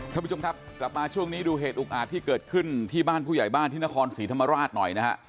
ท่านผู้ชมครับกลับมาช่วงนี้ดูเหตุอุกอาจที่เกิดขึ้นที่บ้านผู้ใหญ่บ้านที่นครศรีธรรมราชหน่อยนะฮะ